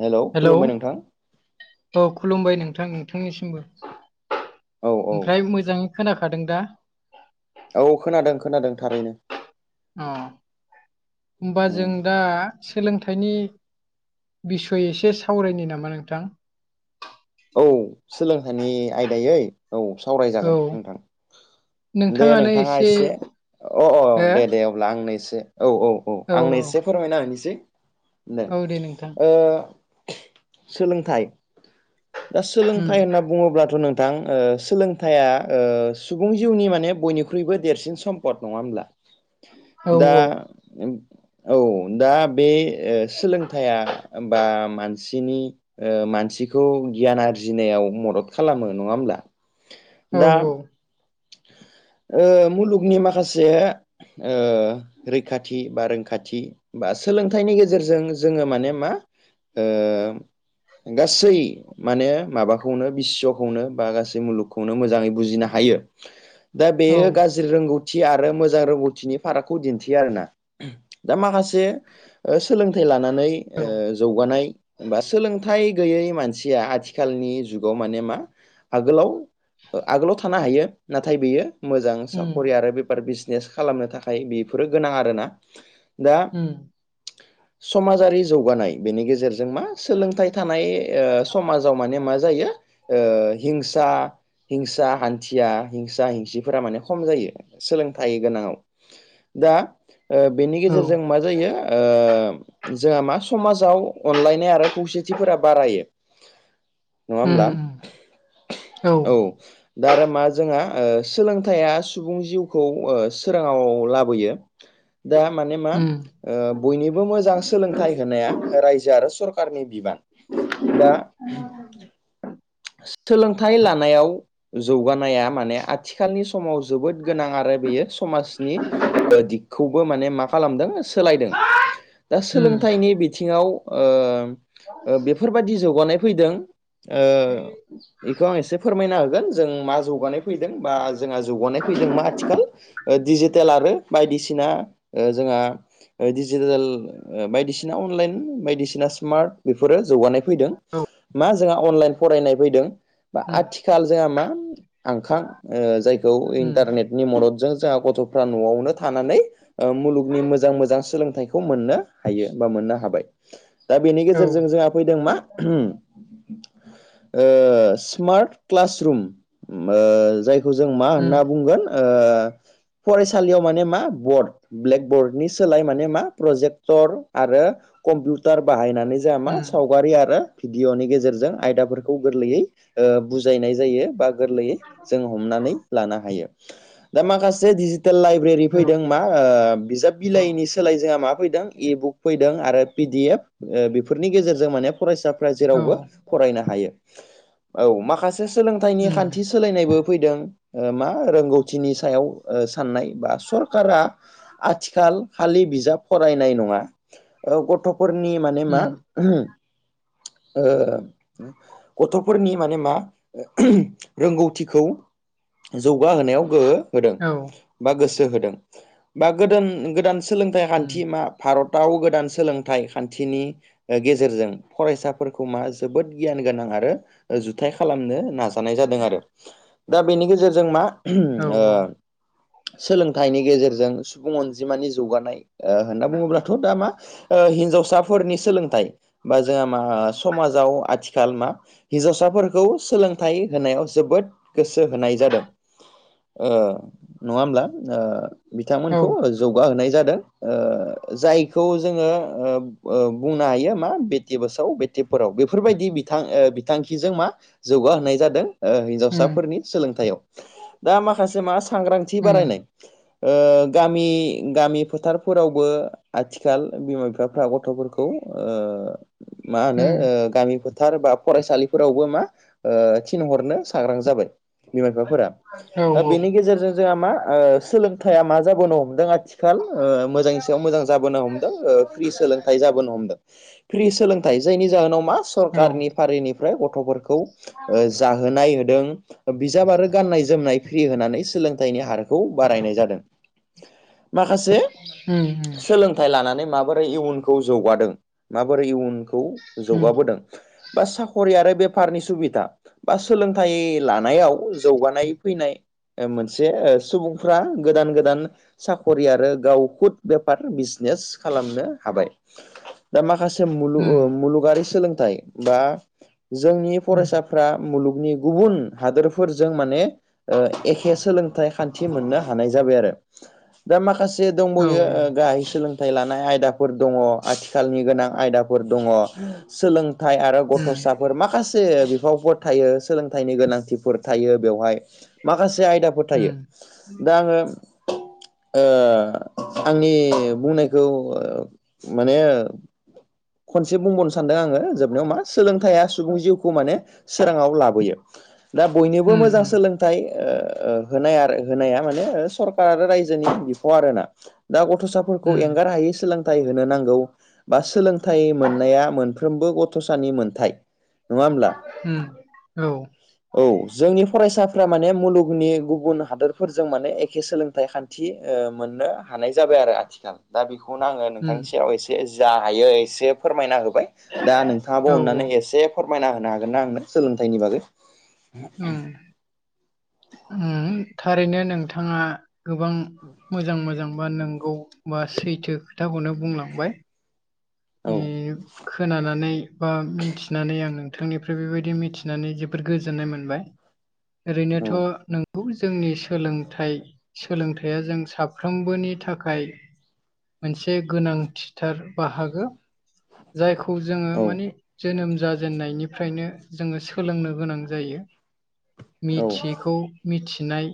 Hello खुलुमबाय नोंथां। औ खुलुमबाय नोंथां नोंथांनिसिमबो औ औ ओमफ्राय मोजां खोनाखादों दा? औ खोनादों खोनादों थारैनो। अ होनबा उम जों दा सोलोंथाइनि बिसय एसे सावरायनो नामा नोंथां? औ सोलोंथाइनि आयदायै औ औ सावरायजागोन नोंथां। दे नोंथांङा एसे अ हो औ दे दे औ। अब्ला आंनो एसे औ औ औ आंनो एसे फोरमायना होनोसै। औ दे नोंथां ओ सोलोंथाइ। दा उम सोलोंथाइ होनना बुंङोब्लाथ' नोंथां सोलोंथाइया सुबुं जिउनि माने बयनिख्रुइबो देरसिन सम पट नंङा होमब्ला? औ दा औ दा बे सोलोंथाइया बा मानसिनि मानसिखौ गियान आरजिनायाव मदद खालामो नंङा होमब्ला? औ दा औ। ओ मुलुगनि माखासे ओ रैखाथि बा रोंखाथि बा सोलोंथाइनि गेजेरजों जोङो माने मा ओ गासै माने माबाखौनो बिशव'खौनो बा गासै मुलुगखौनो मोजाङै बुजिनो हायो। दा बेयो औ गाज्रि रोंगौथि आरो मोजां रोंगौथिनि फारागखौ दिन्थियो आरोना। दा माखासे सोलोंथाइ लानानै औ ओ जौगानाय बा सोलोंथाइ गैयै मानसिया आथिखालनि जुगाव माने मा आगोलाव आगोलाव थानो हायो नाथाय बेयो मोजां उम साख'रि आरो बेफार बिस बिजनेस खालामनो थाखाय बेफोरो गोनां आरोना। दा उम समाजारि जौगानाय बेनि गेजेरजों जों मा सोलोंथाइ थानाय समाजाव माने मा जायो ओ हिंसा हिंसा हान्थिया हिंसा हिंसिफोरा माने खम जायो सोलोंथाइ गोनाङाव। दा बेनि औ गेजेरजों मा जायो ओ जोंहा मा समाजाव अनलायनाय आरो खौसेथिफोरा बारायो। [inaudible] नङा होमब्ला उम औ दा आरो मा जोंहा सोलोंथाइया सुबुं जिउखौ सोराङाव लाबोयो दा माने मा उम बयनिबो मोजां सोलोंथाइ होनाया रायजो आरो सर कारनि बिबान दा सोलोंथाइ लानायाव जौगानाया माने आथिखालनि समाव जोबोद गोनां आरो बेयो समाजनि दिगखौबो माने मा खालामदों सोलायदों दा उम सोलोंथाइनि बिथिङाव बेफोरबायाददि जौगानाय फैदों बेखौ आं एसे फोरमायना होगोन जों मा जौगानाय फैदों बा जोंहा जौगानाय फैदों मा आथिखाल डिजिटेल आरो बायदिसिना जोंहा डिजिटेल बायदिसिना अनलाइन बायदिसिना स्मार्ट बेफोरो जौगानाय औ मा जोंहा अनलाइन फरायनाय फैदों बा उम आथिखाल जोंहा मा आंखा जायखौ उम इन्टारनेटनि मददजों जोंहा गथ'फ्रा न'आवनो थानानै मुलुगनि मोजां मोजां सोलोंथाइखौ मोननो हायो बा मोननो हाबाय दा बेनि औ गेजेरजों जोंहा फैदों मा स्मार्ट क्लास रुम जायखौ जों मा उम होनना बुंगोन फरायसालियाव माने मा बर्ड ब्लेकबर्डनि सोलाय माने मा प्रजेक्टर आरो कम्पिउटार बाहायनानै जोहा मा उम साव गारि आरो भिडअ'नि गेजेरजों आयदाफोरखौ गोरलैयै बुजायनाय जायो बा गोरलैयै जों हमनानै लानो हायो दा माखासे दिडिजिटेल लाइब्रेरि फैदों मा बिजाब बिलाइनि सोलाय जोंहा मा फैदों इ बुक फैदों आरो पिडि एफ बेफोरनि गेजेरजों माने फरायसाफोरा औ जेरावबो फरायनो हायो औ माखासे सोलोंथाइनि उम खान्थि सोलायनायबो फैदों मा रोंगौथिनि सायाव साननाय बा सरखारा आथिखाल खालि बिजाब फरायनाय नङा गथ'फोरनि माने मा उम [unintelligible] गथ'फोरनि माने मा रोंगौथिखौ जौगाहोनायाव गोहो होदों औ बा गोसो होदों बा गोदान गोदान सोलोंथाइ उम खान्थि मा भारताव गोदान सोलोंथाइ खान्थिनि गेजेरजों फरायसाफोरखौ मा जोबोद गियान गोनां आरो जुथाइ खालामनो नाजायो थानाय जादों आरो दा बेनि गेजेरजों मा औ सोलोंथाइनि गेजेरजों सुबुं अनजिमानि जौगानाय होनना बुङोब्लाथ' दा मा हिनजावसाफोरनि सोलोंथाइ बा जोंहा मा समाजाव आथिखाल मा हिनजावसाफोरखौ सोलोंथाइ होनायाव जोबोद गोसो होनाय जादों नङा होमब्ला औ बिथांमोनखौ जौगाहोनाय जादों जायखौ जोङो बुंनो हायो मा बेटि बसाव बेटि पोराव बेफोरबायदि बिथां बिथांखिजों मा जौगाहोनाय जादों। उम हिन्जावसाफोरनि सोलोंथायाइयाव दा माखासे मा सांग्रांथि बारायनाय [inaudible] गामि गामि फोथारफोरावबो आथिखाल बिमा बिफाफ्रा गथ'फोरखौ खौ [unintelligible] मा होनो उम गामि फोथार बा फरायसालिफोरावबो मा थिनहर नो साग्रां जाबाय बिमा बिफाफोरा औ बेनि गेजेरजों जोंहा मा सोलोंथाइया मा जाबोनो हमदों आथि खाल ओ मोजां सायाव मोजां जाबोनो हमदों फ्रि सोलोंथाइ जा बोनो हमदों फ्रि सोलोंथाइ जायनि जाहोनाव मा औ सरखारनि फारिनिफ्राय गथ'फोर खौ जाहोनाय होदों बिजाब आरो गाननाय जोमनाय फ्रि होनानै सोलोंथाइनि हारखौ बारायनाय जादों माखासे उम सोलोंथाइ लानानै माबोरै इयुनखौ जौगादों माबोरै इयुनखौ उम जौगाबोदों बा साख'रि आरो बेफारनि सुबिदा बा सोलोंथाइ लानायाव जौगानाय फैनाय मोनसे सुबुंफ्रा गोदान गोदान साख'रि आरो गाव खुद बेफार बिजनेस खालामनो हाबाय दा माखासे मुल उम मुलुगारि सोलोंथाइ बा जोंनि उम फरायसा फ्रा मुलुगनि गुबुन हादोरफोरजों माने ओ एखे सोलोंथाइ खान्थि मोननो हानाय जाबाय आरो दा माखासे औ दंबावयो गाहाय सोलों थाइ लानाय आयदाफोर दङ आथिखालनि गोनां आयदाफोर दङ सोलों थाय आरो उम गथ'साफोर माखासे बिफावफोर थायो सोलोंथाइनि गोनांथिफोर थायो बेवहाय माखासे आयदा फोर थायो उम दा आङो ओ आंनि बुंनायखौ माने खनसे बुंबावनो सानदों आङो जोबनायाव मा सोलोंथाइया सुबुं जिउखौ माने सोराङाव लाबोयो दा बयनोबो उम मोजां सोलों थाय होनाय होनाया माने सरखार आरो रायजोनि बिफाव आरो ना दा गथ'साफोरखौ उम एंगार हायै सोलोंथाइ होनो नांगौ बा सोलोंथाइ मोननाया मोन फ्रोमबो गथ'सानि मोनथाय नङा होमब्ला उम औ औ जोंनि फरायसाफ्रा माने मुलुगनि गुबुन हादोरफोरजों माने एखे सोलोंथाइ खान थि मोननो हानाय जाबाय आरो आथिखाल दा बेखौनो आङो नोंथांनि सायाव एसे जा हायो एसे फोरमायना होबाय दा नोंथाङाबो औ अननानै एसे फोरमायना होनो हागोन ना आंनो सोलोंथाइनि बागै उम थारैनो नोंथाङा गोबां मोजां मोजांबा नंगौ बा सैथो खोथाखौनो बुंलांबाय औ [unintelligible] खोनानानै बा मिथिनानै आं नोंथांनिफ्राय बेबायदि मिथिनानै जोबोद गोजोननाय मोनबाय औ ओरैनोथ' नों गौ जोंनि सोलोंथाइ सोलोंथाइया जों साफ्रोमबोनि थाखाय मोनसे गोनांथिथार बाहागो जायखौ जोङो औ मानि जोनोम जाजेननायनिफ्रायनो जोङो सोलोंनो गोनां जायो औ मिथियैखौ मिथिनाय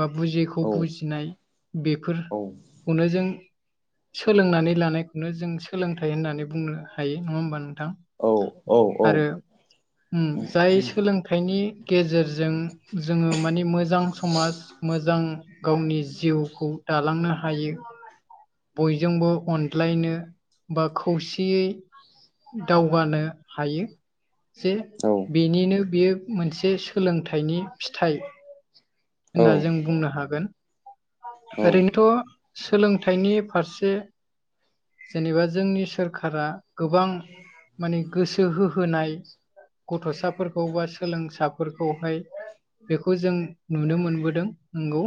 बा बुजियिखौ औ बुजिनाय औ बेफोरखौनो जों सोलोंनानै लानायखौनो जों सोलोंथाइ होननानै बुंनो हायो नङा होमबा नोंथां औ औ औ आरो उम जाय सोलोंथाइनि गेजेरजों जोङो माने मोजां समाज मोजां गावनि जिउखौ दालांनो हायो बयजोंबो अनज्लायनो बा खौसेयै दावगानो हायो जे बेनिनो बियो मोनसे सोलोंथाइनि फिथाइ औ होनना जों बुंनो हागोन औ ओरैनोथ' सोलोंथाइनि फारसे जेनेबा जोंनि सोरखारा गोबां माने गोसो होहोनाय गथ'साफोरखौ बा सोलोंसाफोरखौहाय बेखौ जों नुनो मोनबोदों नंगौ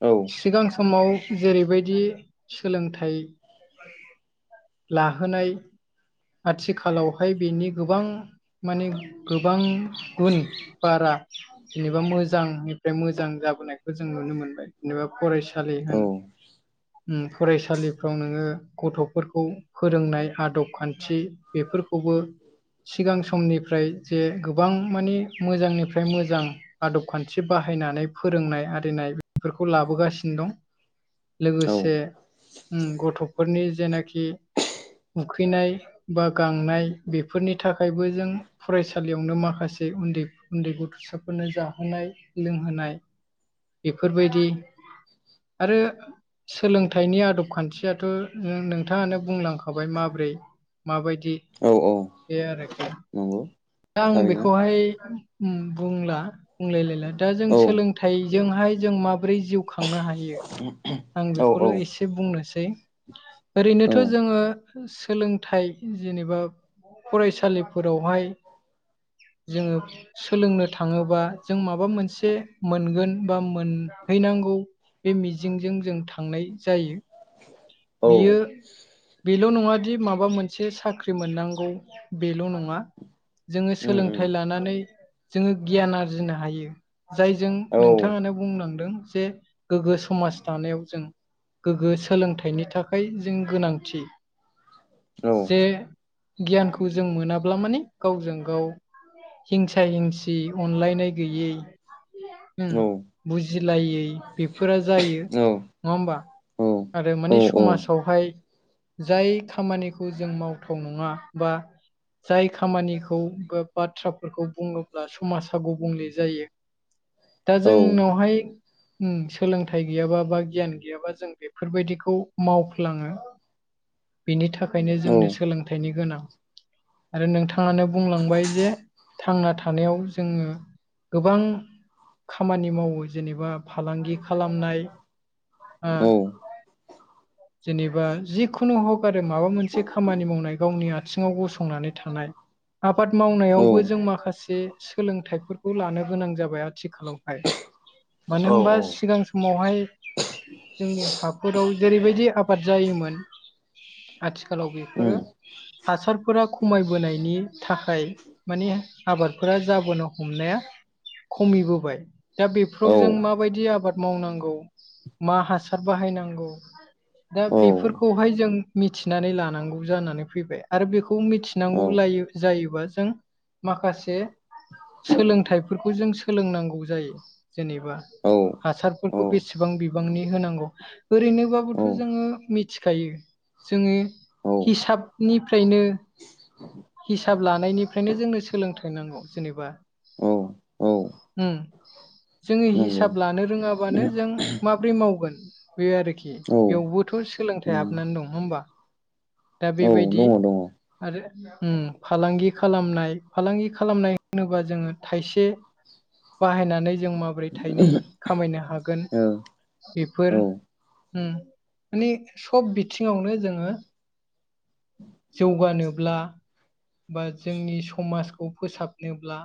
औ सिगां समाव जेरैबायदि सोलोंथाइ लाहोनाय आथिखालावहाय बेनि गोबां माने गोबां गुन बारा जेनेबा मोजां फ्राय मोजां जाबोनायखौ जों नुनो मोनबाय जेनेबा फरायसा सालि औ होन उम फरायसालि फ्राव नोङो गथ'फोरखौ फोरोंनाय आदब खान्थि बेफोरखौबो सिगां समनिफ्राय जे गोबां माने मोजांनिफ्राय मोजां आदब खान्थि बाहायनानै फोरोंनाय आरिनाय बेफोरखौ लाबोगासिनो दं लोगोसे गथ'फोरनि जेनाखि उखैनाय बा गांनाय बेफोरनि थाखायबो जों फरायसालियावनो माखासे उन्दै उन्दै गथ'साफोरनो जाहोनाय लोंहोनाय बेफोरबायदि आरो सोलोंथाइनि आदब खान्थियाथ' नोंथाङानो बुंलांखाबाय माब्रै माबायदि औ औ बे आरोखि नंगौ दा आं थारैनो बेखौहाय बुंला बुंलायलायला दा जों औ सोलोंथाइ जोंहाय जों माबोरै जिउ खांनो हायो आं औ औ बेखौल' एसे बुंनोसै ओरैनोथ' जोङो सोलोंथाइ जेनेबा फरायसालिफोरावहाय जोङो सोलोंनो थाङोबा जों माबा मोनसे मोनसे मोनगोन बा मोनहैनांगौ बे मिजिंजों जों थांनाय जायो औ बियो बेल' नङादि माबा मोनसे साख्रि मोननांगौ बेल' नङा जोङो उम उम सोलोंथाइ लानानै जोङो गियान आरजिनो हायो जायजों औ नोंथाङानो बुंलांदों जे गोग्गो समाज दानायाव जों गोग्गो सोलोंथाइनि थाखाय जों गोनांथि जे गियानखौ जों मोनाब्ला माने गावजों गाव हिंसा हिंसि अनलायनाय गैयै उ औ बुजिलायै बेफोरा जायो औ उम औ नङा होमबा आरो माने समाजावहाय जाय खामानिखौ जों मावथाव नङा बा जाय खामानिखौ बा बाथ्राफोरखौ बुङोब्ला समाजा गुबुंले जायो दा जोंनावहाय सोलोंथाइ गैयाबा बा गियान गैयाबा जों बेफोरबायदिखौ मावफ्लाङो बिनि थाखायनो जोंनि सोलोंथाइनि गोनां आरो नोंथाङानो बुंलांबाय जे थांना थानायाव जोङो गोबां खामानि मावो जेनेबा फालांगि खालामनाय ओ जेनेबा जिखुनु हक आरो माबा मोनसे खामानि मावनाय गावनि आथिङाव गसंनानै थानाय आबाद मावनायावबो जों माखासे सोलोंथाइफोरखौ लानो गोनां जाबाय आथिखालावहाय मानो होनबा सिगां सम समावहाय जोंनि हाफोराव जेरैबायदि आबाद जायोमोन आथिखालाव बेफोरो हासारफोरा खमायबोनायनि थाखाय माने आबादफोरा जाबोनो हमनाया खमिबोबाय दा बेफोराव जों माबायदि आबाद मावनांगौ मा हासार बाहायनांगौ दा बेफोरखौहाय जों मिथिनानै लानांगौ जानानै फैबाय आरो बेखौ मिथिनांगौ लायो जायोबा जों माखासे सोलोंथाइफोरखौ जों सोलोंनांगौ जायो जेनेबा हासारफोरखौ बेसेबां बिबांनि होनांगौ ओरैनोबाबोथ' जोङो मिथिखायो जोङो हिसाबनिफ्रायनो हिसाब लानायनिफ्रायनो जोंनो सोलोंथाइ नांगौ जेनेबा औ औ जोङो नंगौ हिसाब लानो रोङाबानो जों माब्रै मावगोन बे आरोखि औ बेयावबोथ' सोलोंथाइ उम हाबनानै दं नङा होमबा दा औ बेबायदि दङ दि दङ औ आरो फालांगि खालामनाय फालांगि खालामनाय होनोबा जोङो थाइसे बाहायनानै जों माबोरै थाइनै खामायनो हागोन बेफोर माने सब बिथिङावनो जोङो जौगानोब्ला बा जोंनि समाजखौ फोसाबनोब्ला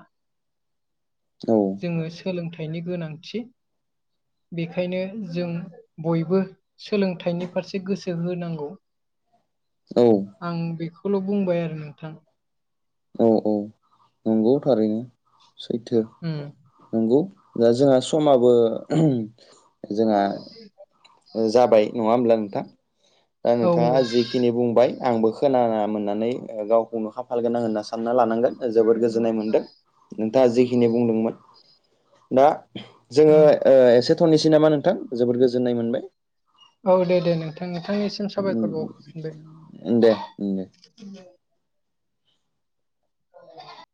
औ जोङो सोलोंथाइनि गोनांथि बेखायनो जों बयबो सोलोंथाइनि फारसे गोसो होनांगौ औ आं बेखौल' बुंबाय आरो नोंथां औ औ नंगौ थारैनो सैथो उम नंगौ दा जोंहा समाबो जोंहा जाबाय नङा होमब्ला नोंथां दा औ औ नोंथाङा जि जिखिनि बुंबाय आंबो खोना मोननानै गावखौनो खाफाल गोनां होनना सानना लानांगोन जोबोद गोजोननाय मोनदों नोंथाङा जिखिनि बुंदोंमोन दा जोङो उम एसे दोनथनोसै नामा नोंथां जोबोद गोजोन्नाय मोनबाय औ दे दे नोंथां नोंथांनिसिम साबायखर उम दे उम दे बावरहफिनबाय औ